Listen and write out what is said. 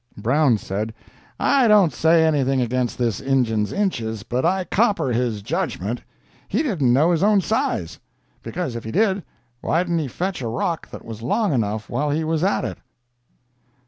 Brown said: "I don't say anything against this Injun's inches, but I copper his judgment. He didn't know his own size. Because if he did, why didn't he fetch a rock that was long enough, while he was at it?"